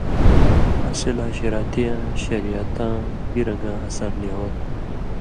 اسی لا شِراتیاں (شریعتاں) گی رن٘گاں اثر نی ہو تُھو۔